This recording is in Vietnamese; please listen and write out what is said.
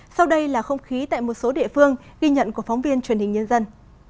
sau đây là không khí tại một số địa phương ghi nhận của phóng viên truyền hình nhân dân